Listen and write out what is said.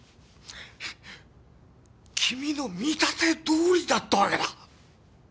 君の見立てどおりだったわけだ。